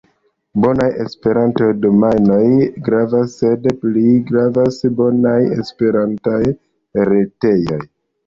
Bonaj Esperanto-domajnoj gravas, sed pli gravas bonaj Esperantaj retejoj.